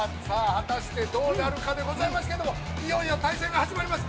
果たしてどうなるかでございますけれども、いよいよ対戦が始まります。